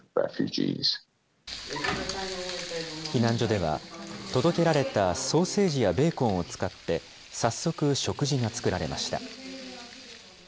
避難所では、届けられたソーセージやベーコンを使って、早速、食事が作られました。